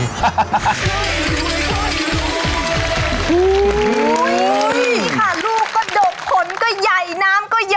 นี่ค่ะลูกก็ดกขนก็ใหญ่น้ำก็เยอะ